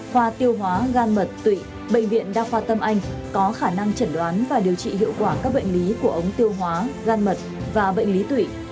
khoa tiêu hóa gan mật tụy bệnh viện đa khoa tâm anh có khả năng chẩn đoán và điều trị hiệu quả các bệnh lý của ống tiêu hóa gan mật và bệnh lý tụy